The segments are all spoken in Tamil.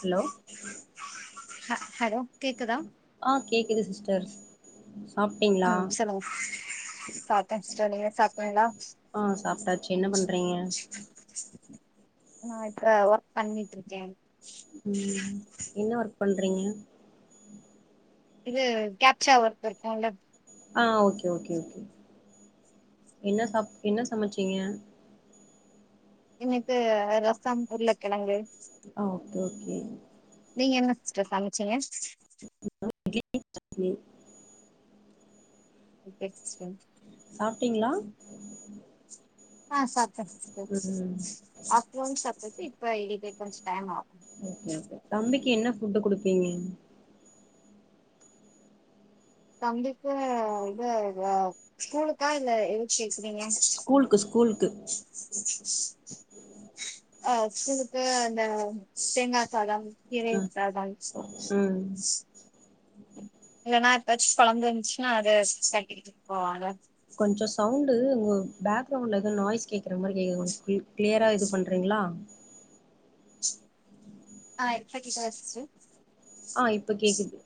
ஹலோ அ ஹலோ கேக்குதா ஆ கேக்குது சிஸ்டர் சாப்டீங்ளா ம் சொல்லுங்க சாப்ட்டே சிஸ்டர் நீங்க சாப்ட்டீங்களா ஆ சாப்ட்டாச்சு என்ன பண்றீங்க நா இப்ப ஒர்க் பண்ணிட்டு இருக்கே ம் என்ன ஒர்க் பண்றீங்க இது கேப்ச்சா ஒர்க் இருக்குல்ல ஆ ஓக்கே ஓக்கே ஓக்கே என்ன சாப் என்ன சமைச்சீங்க இன்னைக்கு ரசம் உருள கெழங்கு ஆ ஓக்கே ஓக்கே நீங்க என்ன சிஸ்டர் சமச்சீங்க நா இட்லி சட்னி ஓக்கே சிஸ்டர் சாப்டீங்ளா ஆ சாப்ட்ட சிஸ்டர் ம் ஆப்டர் நௌன் சாப்டாச்சு இப்ப இது கொஞ்சோ டைம் ஆகும் ஓக்கே ஓக்கே தம்பிக்கு என்ன ஃபுட்டு் குடுப்பீங்க தம்பிக்கு இத ஸ்கூலுக்கா இல்ல எதுக் கேக்குறீங்க ஸ்கூலுக்கு ஸ்கூலுக்கு அ ஸ்கூலுக்கு இந்த தேங்காசாதம் கீரை அ சாதம் ம் இல்லன்னா எப்பயாச்சும் கொழம்பு இருந்துச்சுன்னா அத கட்டிகிட்டு போவாங்க கொஞ்சோ சவுண்டு உங்க பேக்கிரவுண்ட்ல எதோ நாய்ஸ் கேக்குற மாறி கேக்குது கொஞ்சோ கிளியரா இது பண்றீங்ளா அ இப்ப கேக்குதா சிஸ்டர் ஆ இப்ப கேக்குது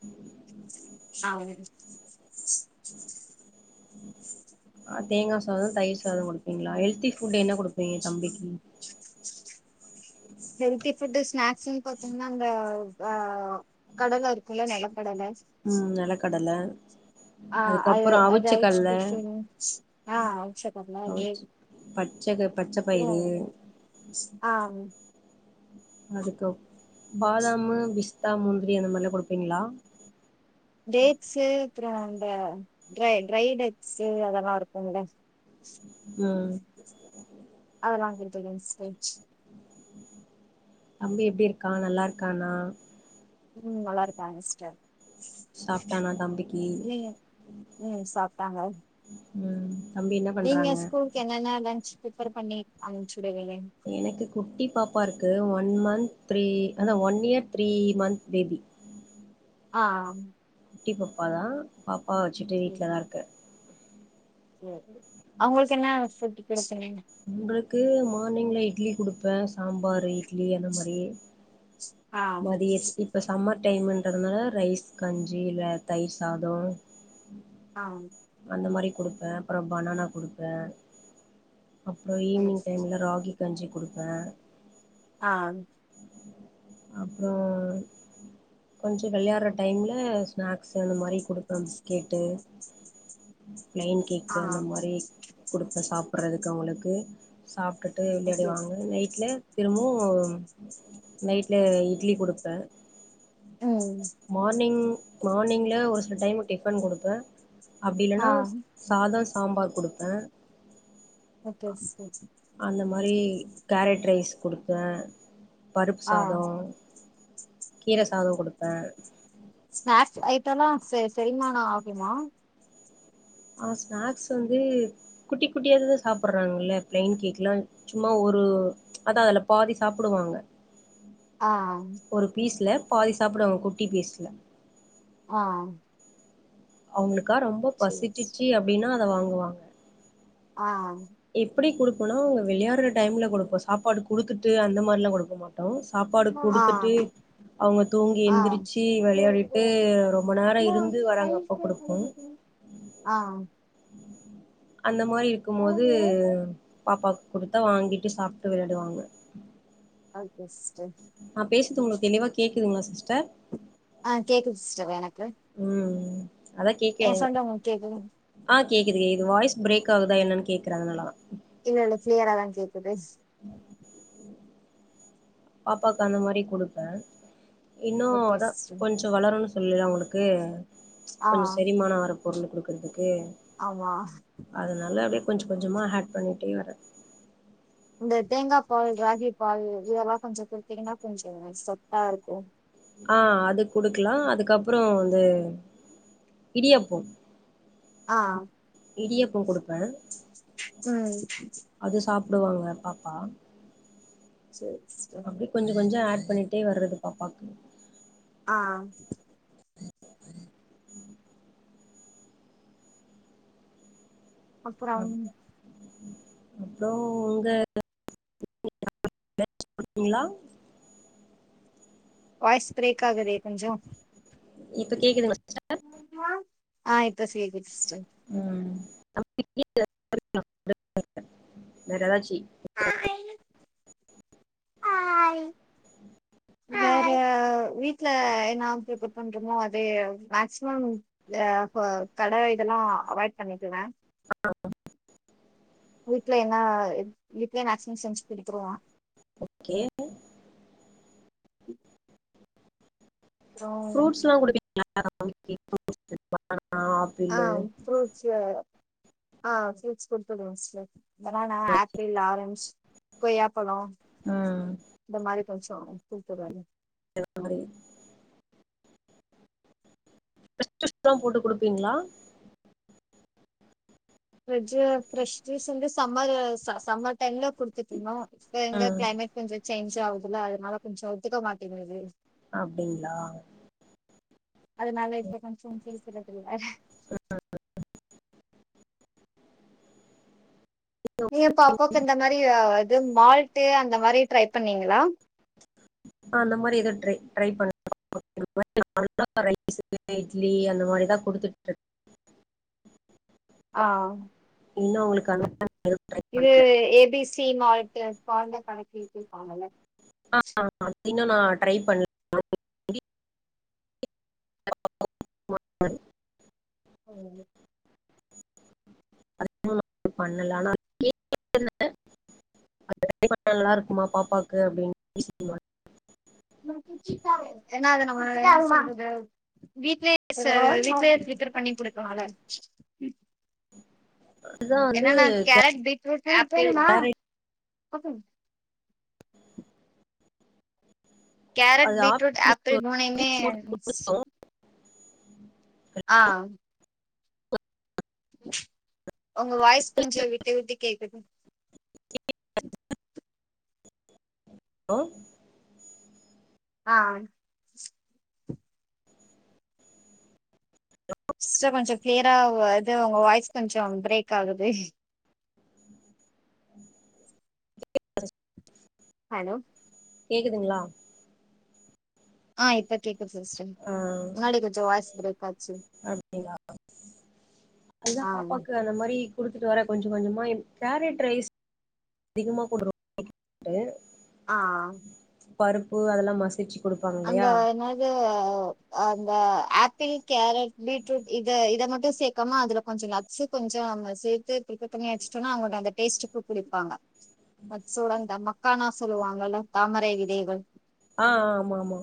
ஆ ஒரு ஆ தேங்கா சாதம் தயிர் சாதம் குடுப்பீங்ளா ஹெல்தி ஃபுட் என்ன குடுப்பீங்க தம்பிக்கு ஹெல்தி ஃபுட்டு ஸ்நேக்ஸ்ன்னு பாத்தீங்கன்னா அந்த அ கடல இருக்குல்ல நில கடலை அ நிலக்கடலை ஆ அத அது அவிச்சி குடுத்துடுவே ஆ அவிச்ச கடலை இது பச்சைக்க பச்ச பயிறு ஆ அதுக்கு கப் பாதாமு பிஸ்தா முந்திரி அந்த மாறில்லா குடுப்பீங்ளா டேட்ஸ்சு அப்றோ அந்த ட்ரை ட்ரை நட்ஸ் அதெல்லா இருக்கும்ல்ல [inaudible] அதெல்லா வாங்கிட்டு போயிட்டே சிஸ்டர் தம்பி எப்டி இருக்கா நல்லா இருக்கான்னா ம் நல்லாருக்காங்க சிஸ்டர் சாப்ட்டானா தம்பிக்கு இல்லங்க [unintelligible] சாப்ட்டாங்க உம் நீங்க ஸ்கூலுக்கு என்னன்ன லன்ச் ப்ரிஃபர் பண்ணி அனுப்ச்சுடுவீங்க எனக்கு குட்டி பாப்பா இருக்கு ஒன் மந்த் த்ரீ அ ஹா one year three month baby அ குட்டி பாப்பா தா பாப்பாவ வச்சுட்டு சேரி வீட்லதா இருக் [unintelligible] அவங்களுக்கு என்ன சொத்து பிரச்சனைன்ன உங்களுக்கு மார்னிங்ல இட்லி குடுப்பே சாம்பாரு இட்லி அந்த மாறி ஆ மதியத் இப்ப சம்மர் டைம்ன்றதுனால ரைஸ் கஞ்சி இல்ல தயிர் சாதம் ஆ அந்த மாறி குடுப்பே அப்புறோ பனானா குடுப்பே அப்றோ சேரி ஈவினிங் டைம்ல ராகி கஞ்சி குடுப்பே அ அப்றோ கொஞ்சோ விளையாட்ற டைம்ல ஸ்நாக்ஸ்சு அந்த மாறி குடுப்பே பிஸ்கெட்டு பிளைன் கேக்கு ஆ அந்த மாறி குடுப்பே சாப்பிட்றதுக்கு அவங்களுக்கு சாப்ட்டுட்டு ஓகே விளையாடிவாங்க நைட்ல திரும்பவு நைட்ல இட்லி குடுப்பே ம் மார்னிங் மார்னிங்ல ஒரு சில டைம் டிஃபன் குடுப்பே அப்டி ஆ இல்லன்னா சாதம் சாம்பார் குடுப்பே ஓக்கே சிஸ்டர் சேரி அந்த மாறி கேரட் ரைஸ் குடுப்பே பருப்பு ஆ சாதம் கீர சாதோ குடுப்பே ஸ்நாக்ஸ் ஐட்டோல்ல செரிமானோ ஆகுமா ஆ ஸ்நாக்ஸ் வந்து குட்டி குட்டிவாது தான் சாப்பிட்றாங்க பிளைன் கேக்லாம் சும்மா ஒரு அதா அதுல பாதி சாப்பிடுவாங்க ஆ ஒரு பீஸில பாதி சாப்பிடுவாங்க குட்டி பீஸ்ல ஆ அவுங்களுக்கா ரொம்ப சேரி பசிட்டுச்சு சேரி அப்படின்னா அத வாங்குவாங்க ஆ எப்படி குடுப்போன்னா அவுங்க விளையாடுற டைம்ல குடுப்போ சாப்பாடு குடுத்துட்டு அந்த மாரில்லா குடுக்க மாட்டோ சாப்பாடு ஆ குடுத்துட்டு அவங்க தூங்கி ஆ ஆ எந்திரிச்சு விளையாடிட்டு ரொம்ப நேரோ இருந்து வராங்க அப்ப குடுப்போ ஆ அந்த மாரி இருக்கும்போது பாப்பாவுக்கு குடுத்தா வாங்கிட்டு சாப்ட்டு விளையாடுவாங்க அது பெஸ் நா பேசுறது உங்களுக்கு தெளிவா கேக்குதுங்களா சிஸ்டர் ஆ கேக்குது சிஸ்டர் எனக்கு ம் அதா கேக்கே ஏ உங்கள சவுண்டு உங்களுக்கு கேக்குது ஆ கேக்குது கேக்து வாய்ஸ் பிரேக் ஆகுதா என்னன்னு கேக்குறே அதனாலதா இல்ல இல்ல கிளியராதா கேக்குது ம் பாப்பாக்கு அந்த மாரி குடுப்பே இன்னும் ஓகே அதா சிஸ்டர் கொஞ்ச சோ வளரன்னு சொல்லில உங்களுக்கு ஆ கொஞ்சோ செரிமானோ ஆவர பொருள் குடுக்குறதுக்கு ஆமா அதனால அடியே கொஞ்ச கொஞ்சமா ஹேட் பண்ணிட்டே வரே இந்த தேங்கா பால் ராகி பால் இதெல்லா கொஞ்சோ குடுத்தீங்கன்னா கொஞ்சோ ஸ்ரெண்த்தா இருக்கும் ஆ அது குடுக்கலா அதுக்கப்றோ வந்து இடியப்போ ஆ இடியப்போ குடுப்பே ம் அது சாப்பிடுவாங்க பாப்பா சரி சரி ப்படி கொஞ்ச கொஞ்சோ ஆட் பண்ணிட்டே வர்றது பாப்பாக்கு ஆ அப்புறம் அப்றோ உங்க [inaudible] வாய்ஸ் பிரேக் ஆகுதே கொஞ்சோ இப்ப கேக்குதுங்க ஆ இப்ப சேரி சிஸ்டர் ம் [inaudible] வேற ஏதாச்சு ஆ வேற வீட்ல என்ன பிரிப்பர் பண்றமோ அது மேக்சிமம் ஆ கட இதெல்லா அவாய்ட் பண்ணிக்குவே வீட்ல என்ன வீட்ல என்னாச்சு செஞ்சு குடுத்திருவே ஓகே அப்புறோ ஃப்ரூட்ஸ்ஸுல்லா குடுப்பீங்களா [inaudible] பனானா ஆப்பிள்ளு ஃப்ரூட்ஸ்ஸுல ஆ ஃப்ரூட்ஸ் குடுத்துதுடுவே சிஸ்டர் பனானா ஆப்பிள் ஆரஞ்சு கொய்யாப்பழே ம் இந்தமாரி கொஞ்சோ குடுத்துவுடுவாங்க எல்லா [inaudible] ஃப்ரஷ் ஜூஸ்ல்லா போட்டு குடுப்பீங்களா பரஜ்ஜூ ஃப்ரெஷ் ஜூஸ் வந்து சம்மர்ரு ச சம்மர் டைம்ல குடுத்துட்ருதோ இப்ப எங்க ம் க்ளைமேட் கொஞ்சோ சேஞ்ச் ஆவுதுல அதுனால கொஞ்சோ ஒத்துக்க மாட்டேங்கது அப்டிங்களா அதுனால இப்ப கொஞ்சோ பேசுறதில்ல ம் ஆ [inaudible] நீங்க பாப்பாவுக்கு இந்த மாரி அ இது மால்ட்டு அந்த மாரி ட்ரை பண்ணீங்களா ஆ அந்த மாரி எது ட்ரை ட்ரை பண்ண [inaudible] ரைஸ்ஸு இட்லி அந்த மாரி தா குடுத்துட்ருக் ஆ இன்னு உங்களுக்கு அந்த மாரி ட்ரை இது பண்ணல ஏ பி சீ மால்ட்டு பால்ல கலக்கிட்டு பாங்கல்ல ஆ அ இன்னு நா ட்ரை பண்ணுல ஒ ஓ [inaudible] பண்ணல ஆனா அது கேட்டுகிட்டு இருந்தே அது ட்ரை பண்ண நல்லா இருக்குமா பாப்பாக்கு அப்டின்னு ஏ பி சி மால் என்னா அது நம்ம என்ன சொல்றது வீட்லயே செ வீட்லயே பிரிப்பர் பண்ணி குடுக்காலால்ல வந்து என்னன்னா கேரட் பீட்ரூட்டு கேரட் அது பீட்ரூட் ஆப்ஷன் ஆப்பிள் மூனையுமே மீக்ஸ் ஆ உங்க வாய்ஸ் கொஞ்சோ விட்டு விட்டு கேக்குது [inaudible] ஹலோ ஆ சிஸ்டர் கொஞ்சோ கிளியரா ஓ இது உங்க வாய்ஸ் கொஞ்சோ பிரேக் ஆகுது [inaudible] ஹலோ கேக்குதுங்களா ஆ இப்ப கேக்குது சிஸ்டர் ஆ முன்னாடி கொஞ்சோ வாய்ஸ் ப்ரேக் ஆச்சி அப்டியா அதுதா ஆ பாப்பாக்கு அந்த மாரி குடுத்துட்டு வரே கொஞ்ச கொஞ்சமா இம் கேரட் ரைஸ் அதிகமா போடுறோ [inaudible] ட்டு ஆ ஆ பருப்பு அதெல்லா மசிச்சி அங்க என்னது இது அந்த ஆப்பிள் கேரட் பீட்ரூட் இத இத மட்டு சேக்காம அதுல கொஞ்சோ நட் ஸ்ஸு கொஞ்ச நம்ம சேத்து பிரிப்பர் பண்ணி வச்சிட்டோனா அவுங்க [unintelligible] அந்த டேஸ்டுக் குடிப்பாங்க நட்ஸ்ஸு ஒட இந்த மக்கானா சொல்லுவாங்கல்ல தாமரை விதைகள் ஆஆ ஆமா ஆமா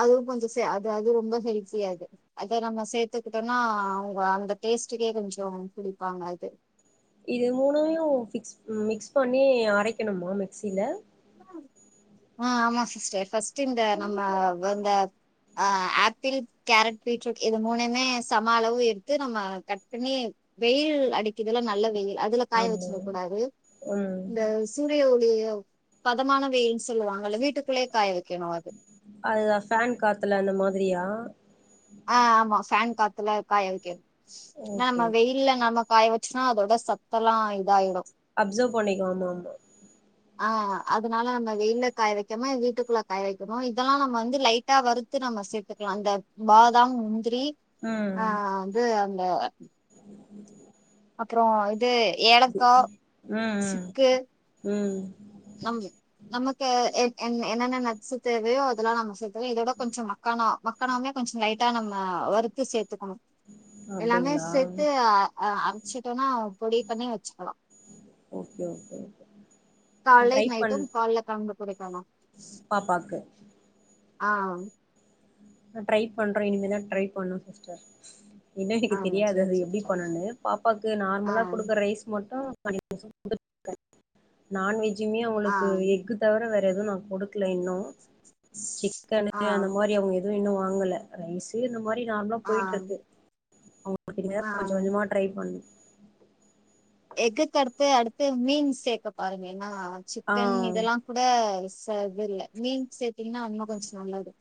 அதுவு கொஞ்ச சே அது அது ரொம்ப ஹெல்த்தி அது அத நம்ம சேத்துக்கிட்டோனா அவுங்க அந்த டேஸ்ட்டுக்கே கொஞ்சு குடிப்பாங்க அது இது மூணையும் ஃபிக்ஸ் ம் மிக்ஸ் பண்ணி அரைக்கணுமா மிக்ஸில ஆ ஆமா சிஸ்டர் ஃபர்ஸ்ட் இந்த நம்ம வந்த ஆ ஆப்பிள் கேரட் பீட்ரூட் இது மூணையுமே சம அளவு எடுத்து நம்ம கட் பண்ணி வெயில் அடிக்கிதுல்ல நல்ல வெயில் அதுல காய ஆமா வச்சியிடக் கூடாது ம் இந்தஸ் சூரிய ஒளியோ பதமான வெயிலுன் சொல்லுவாங்கல்ல வீட்டுக்குள்ளே காய வெக்கணு அத் அதுதா ஃபேன் காத்துல அந்த மாதிரியா ஆ ஆமா ஃபேன் காத்துல காய வைக்க ஓகே நாம வெயி இல்ல நம்ம காய வச்சுனா அதோட சத்தெல்லா இதாய்டு அப்சர்வ் பண்ணிக்கு ஆமா ஆமா ஆ அதனால நம்ம வெயில்ல காய் வைக்காம வீட்டுக்குள்ள காய வைக்கணும் இதெல்லா நம்ம வந்து லைட் ட்டா வறுத்து நம்ம சேத்துக்லா அந்த பாதாம் முந்திரி ம் ஆ து அந்த அப்றோ இது ஏலக்கா ம் ம் சிக்கு ம் நம் நமக்கு எ என் என்னென்ன நட்ஸு தேவையோ அதெல்ல நம்ம சேத் எ இதோட கொஞ்சு மக்கானா மக்கானாமே கொஞ்சு லைட்டா நம்ம வறுத்து சேத்துக்கணு எல்லாமே அப்டிங்களா சேத்து அ அ அம்ச்சிட்டோனா பொடி பண்ணி வச்சிக்கலா ஓகே ஓகே நா ட்ரை காலேக் பண் நைட்டு பால்ல கலந்து குடிக்கணு பாப்பாக்கு ஆ ட்ரை பண்றோ இனிமேதா ட்ரை பண்னு சிஸ்டர் இன்னும் ஆ எனக் தெரியாது சேரி அது சேரி எப்டி சரி பண்னுனு பாப்பாக்கு ஆ நார்மலா குடுக்க ரைஸ் மட்டு [unintelligible] நான்வெஜ்யுமே ஆ அவ்ளுக்கு எக்கு தவர வேற எது நா குடுக்கல இன்னு சிக்கனு ஆ அந்த மாரி அவுங்க எதுவு இன்னு வாங்கல ரைசே இந்த மாரி நார்மலா ஆ போயிட்ருக்கு [unintelligible] நேர் கொஞ்ச ஆ கொஞ்சமா ட்ரை பண்ணு எக்குக்கு அடுத்து அடுத்து மீன் சேக்க பாருங்க ஏன்னா ஆ சிக்கன் இதெல்லா கூட சதுல்ல மீன் சேத்தீங்கன்னா இன்னு கொன்ச் நல்லது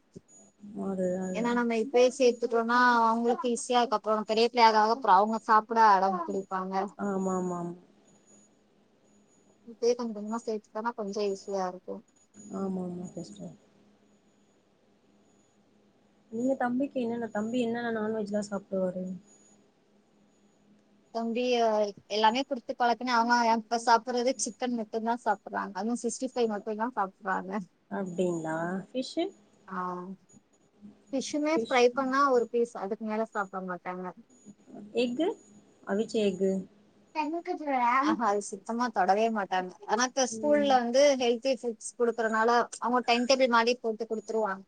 அதுதா ஏன்னா நம்ம இப்பயே சேத் த்துட்டோனா அவ்ங்ளுக்கு ஈஸியா அக்கப்ரோ பெரிய பிள்ளை ஆக ஆக அப்றோ அவ்ங்ளு சாப்பிட அடம் பிடிப்பாங்க ஆமாமாம் இது கொன்ஜ் கொஞ்சமா சேத்துட்டனா கொஞ்ச ஈஸியா இருக்கு ஆமா ஆமா பெஸ்ட்டு நீங்க தம்பிக்கு என்னன்னா தம்பி என்னன்னா நான்வெஜ்லா சாப்டுவாரு தம்பியாய் எல்லாமே குடுத்து பழக்குனே அவ்ங்க ஏ இப்ப சாப்புறதே சிக்கன் மட்டுன்தா சாப் ப்புரா அதூ சிக்ஸ்டி ஃபை மட்டு தா சாப்றாங்க அப்டிங்ளா ஃபிஷ்ஷு ஆ ஃபிஷுமே ஃபிஷ் ஃப்ரை பண்ணா ஒரு பீஸ் அதுக்கு மேல சாப்ட மாட்டாங்க எஃகு அவிச்ச எஃகு ஆஆ சுத்தமா தொடவே மாட்டாங் ஆனாக்கஸ் ஸ்கூல்ல ம் வந்து ஹெல்தி ஃபுட்ஸ் குடுக்றனால அவங்க டென் டேபிள் மாதி போட்டு கொடுத்துருவான்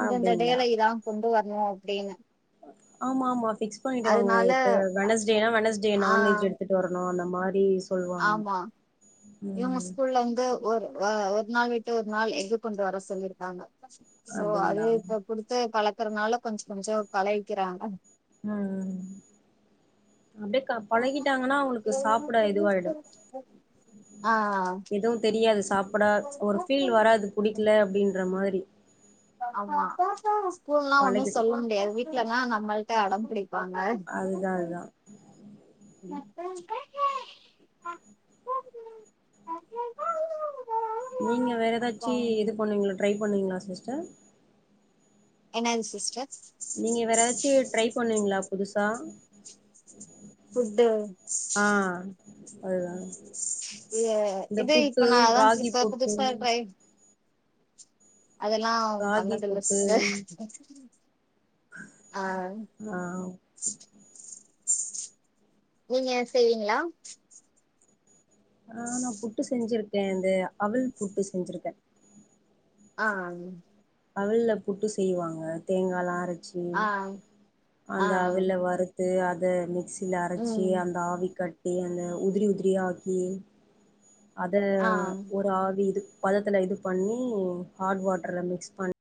இந்தந்த அப்டிங்களா டேல இதா கொண்டு வரணு அப்டின்னு ஆமா ஆமா ஃபிக்ஸ் பண்ணிடுவாங்க அதனால இப்ப வனஸ்டேயா வனஸ்டே நான்வெஜ் எடுத்துட் தோரன்ணொ அந்த மாரி சொல்லுவாங்க ஆம்மா இவுங்க ம் ஸ்கூல்ல வந்து ஒர் அ ஒரு நாள் விட்டு ஒர் நாள் எக் கொண்டு வர சொல்லிருக்காங்க. சோ அது அப்டிங்களா இப்ப குடுத்து கலக்கறதுனால கொஞ்செ கொஞ்செ பழகிக்கிறாங்க. அ அ... அப்டெ க பழகிட்டாங்கன்னா அவுங்களுக்கு சாப்புட இதுவாயிடு ஆ எதுவு தெரியாது சாப்புட ஒரு ஃபீல் வராது. புடிக்ல அப்படின்ற மாதிரி. ஆம்மா ஸ்கூல்லா ஒண்ணு பழகிடு சொல்லமுடியாது, வீட்லன்னா நம்மள்ட்ட அடம்புடி பாங்க அதுதா அதுதா [unintelligible] நீங்க வேற அப்றோ ஏதாச்சி, இது பண்ணுவீங்களா ட்ரை பண்ணுவீங்களா சிஸ்டர். என்னாது சிஸ்டர். நீங்க வேர எதாச் சு ட்ரை பண்ணுவிங்களா புதுசா சிஸ்டர் அ. அதுதா இ இந்த இது இப்ப புட்டு நா அதா ராகி புதுசா புட்டு, புதுசா அதல்லாம் ராகி பண்ணதில்ல புட்டு சிஸ்டர், அ அ நீங்க செய்வீங்ளா. அ.. நா புட்டு செஞ்சிருக்கே இந்த அவள் புட்டு செஞ்சிருக்க ஆ அவள்ள புட்டு செய்வாங்க தேங்கால்லா அரச் ஆ ஆ அந்த அவுள்ள வறுத்து, அத மிக்சில அரச்சு ம் அந்த ஆவி கட் டியே அந்த உதிறி உதிறி ஆக்கி அத ஆ ஒரு ஆவி இது பதத்துல இது பண்ணி, ஹாட் வாட்டர்ல மிக்ஸ் பண்